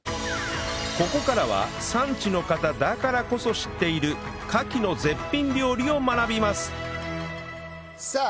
ここからは産地の方だからこそ知っているカキの絶品料理を学びますさあ